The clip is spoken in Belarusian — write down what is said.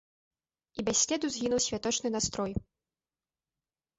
І без следу згінуў святочны настрой.